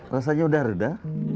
rasanya udah reda